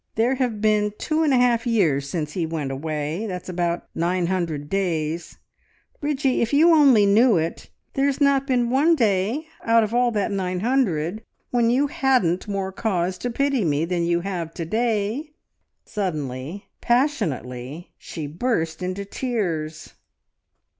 ... There have been two and a half years since he went away that's about nine hundred days. ... Bridgie! If you only knew it there's not been one day out of all that nine hundred when you hadn't more cause to pity me than you have to day! " Suddenly, passionately, she burst into tears.